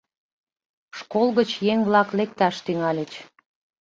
Школ гыч еҥ-влак лекташ тӱҥальыч.